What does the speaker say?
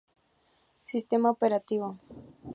Sistema operativo.